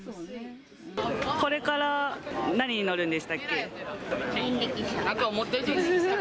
これから何に乗るんでしたっ人力車。